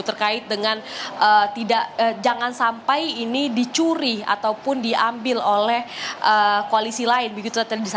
terkait dengan tidak jangan sampai ini dicuri ataupun diambil oleh koalisi lain begitu